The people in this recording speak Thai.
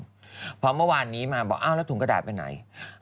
เพราะว่าเมื่อวานนี้มาบอกทำไมถุงกระดาษไปไหน